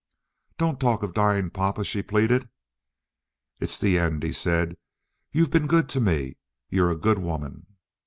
"Don't talk of dying, papa," she pleaded. "It's the end," he said. "You've been good to me. You're a good woman."